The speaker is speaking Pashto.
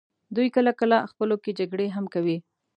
دوی کله کله خپلو کې جګړې هم کوي.